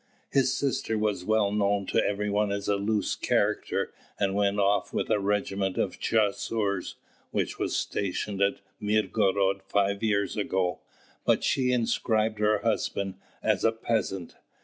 His sister was well known to every one as a loose character, and went off with a regiment of chasseurs which was stationed at Mirgorod five years ago; but she inscribed her husband as a peasant.